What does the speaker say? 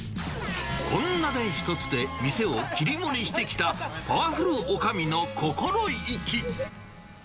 女手一つで店を切り盛りしてきたパワフルおかみの心意気。